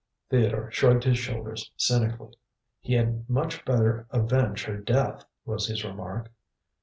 Theodore shrugged his shoulders cynically. "He had much better avenge her death," was his remark.